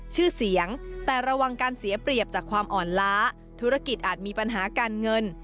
ชื่อเสียงแต่ระวังการเสียเปรียบจากความอ่อนล้าธุรกิจอาจมีปัญหาการเงิน